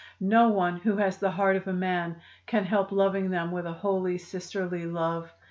No one who has the heart of a man can help loving them with a holy sisterly love.